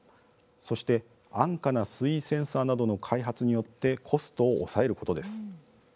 そして安価な水位センサーなどの開発によってコストを抑えることです。